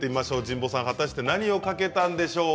神保さん果たして何をかけたんでしょうか。